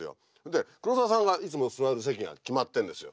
で黒澤さんがいつも座る席が決まってるんですよ。